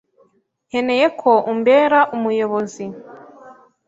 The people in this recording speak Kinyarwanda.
nkeneye ko umbera umuyobozi.